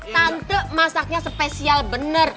tante masaknya spesial bener